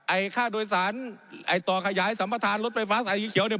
ค่าโดยสารไอ้ต่อขยายสัมประธานรถไฟฟ้าสายสีเขียวเนี่ย